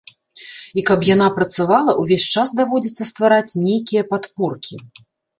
І каб яна працавала, увесь час даводзіцца ствараць нейкія падпоркі.